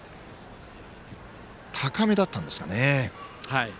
高めだったんですね。